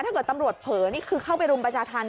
ถ้าเกิดตำรวจเผลอนี่คือเข้าไปรุมประชาธรรม